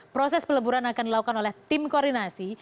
proses peleburan akan dilakukan oleh tim koordinasi